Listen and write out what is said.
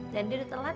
dan dia udah telat